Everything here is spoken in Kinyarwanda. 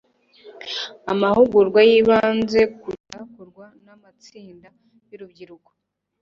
amahugurwa yibanze ku cyakorwa n'amatsinda y'urubyiruko